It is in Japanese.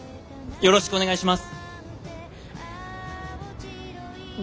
よろしくお願いします！